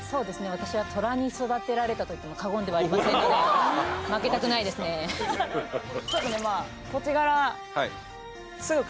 私はトラに育てられたといっても過言ではありませんので負けたくないですね